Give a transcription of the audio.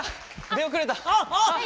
出遅れた！